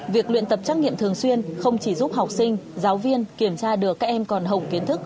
việc luyện tập trắc nghiệm thường xuyên không chỉ giúp học sinh giáo viên kiểm tra được các em còn hồng kiến thức